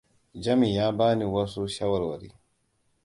Jami ya bani wasu shawarwari.